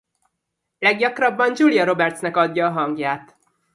Leggyakrabban Julia Robertsnek adja a hangját.